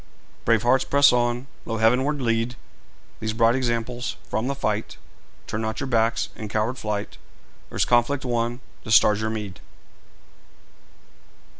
Brave hearts, press on! Lo, heavenward lead These bright examples! From the fight Turn not your backs in coward flight; Earth's conflict won, the stars your meed!